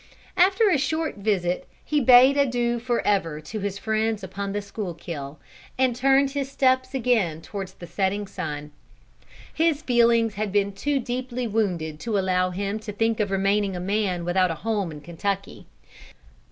After a short visit he bade adieu forever to his friends upon the Schuykill, and turned his steps again towards the setting sun. His feelings had been too deeply wounded to allow him to think of remaining a man without a home in Kentucky.